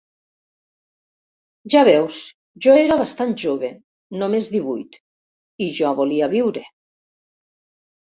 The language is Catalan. Ja veus, jo era bastant jove-només divuit-i jo volia viure.